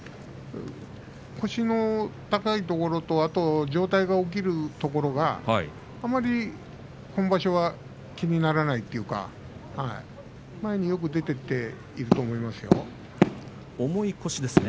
腰の高いところとあと上体が起きるところがあまり今場所は気にならないというか前によく出ていっていると思いますよ。